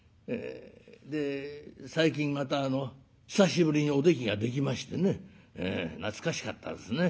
で最近また久しぶりにおできができましてね懐かしかったですね。